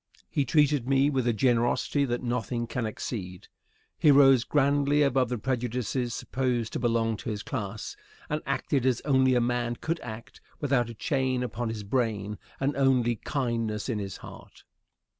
He treated me with a generosity that nothing can exceed. He rose grandly above the prejudices supposed to belong to his class, and acted as only a man could act without a chain upon his brain and only kindness in his heart.